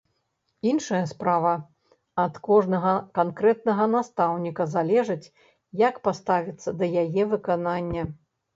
Іншая справа, ад кожнага канкрэтнага настаўніка залежыць, як паставіцца да яе выканання.